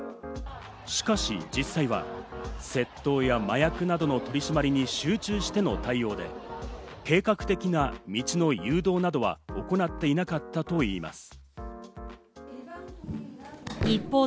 しかし、実際は窃盗や麻薬などの取り締まりに集中しての対応で、計画的な道の誘導などは行っていなかったといいます。